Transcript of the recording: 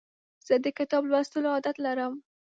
زه د کتاب لوستلو عادت لرم.